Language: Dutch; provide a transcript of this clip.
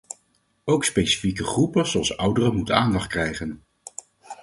Ook specifieke groepen zoals ouderen moeten aandacht krijgen.